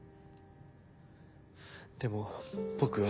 でも僕は。